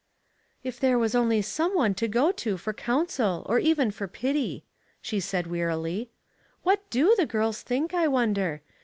" If there was only some one to go to for counsel or even for pity," she said, wearily. What do the girls think, I wonder